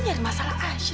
mxt masalah saja